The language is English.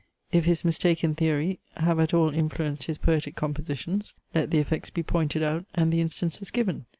If his mistaken theory have at all influenced his poetic compositions, let the effects be pointed out, and the instances given.